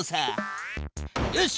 よし！